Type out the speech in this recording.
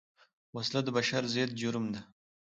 وسله د بشر ضد جرم ده